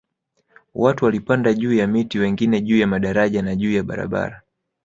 Watu walipanda juu ya miti wengine juu ya madaraja na juu ya barabara